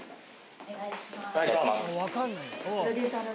お願いします。